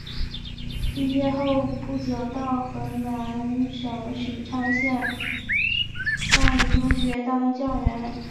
毕业后不久到河南省许昌县灞陵中学当教员。